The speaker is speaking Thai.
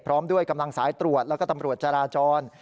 พร้อมด้วยกำลังสายตรวจแล้วก็ตำรวจจราจร